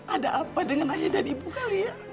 ada apa dengan ayah dan ibu kami